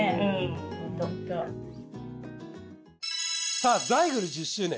さあザイグル１０周年